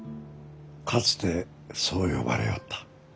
かつてそう呼ばれよった。